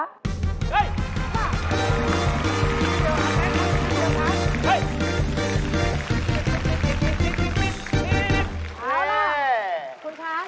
เดี๋ยวค่ะแค่นั้น